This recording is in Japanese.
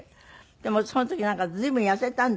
でもその時なんか随分痩せたんですって？